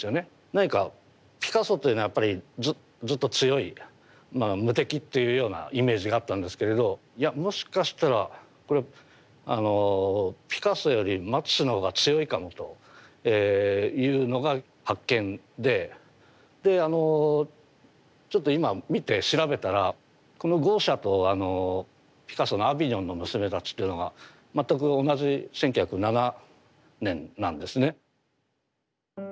何かピカソというのはやっぱりずっと強い無敵っていうようなイメージがあったんですけれどいやもしかしたらこれはピカソよりマティスの方が強いかもというのが発見でであのちょっと今見て調べたらこの「豪奢」とピカソの「アヴィニョンの娘たち」っていうのが全く同じ１９０７年なんですね。